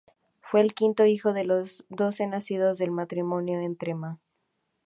Fue el quinto hijo de los doce nacidos del matrimonio entre Ma.